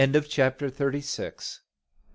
CHAPTER THIRTY SEVEN.